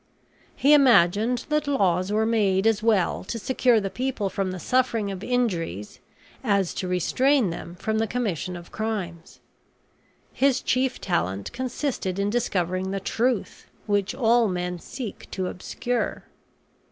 He imagined that laws were made as well to secure the people from the suffering of injuries as to restrain them from the commission of crimes. His chief talent consisted in discovering the truth, which all men seek to obscure.